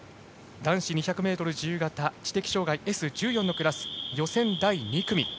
男子２００ｍ自由形知的障がいＳ１４のクラス予選第２組。